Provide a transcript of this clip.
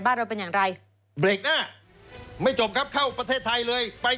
บ้านเราเป็นอย่างไร